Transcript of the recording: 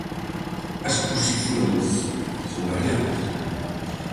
As posicións son variadas.